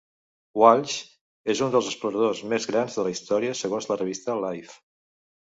Walsh és un dels exploradors més grans de la història segons la revista "Life".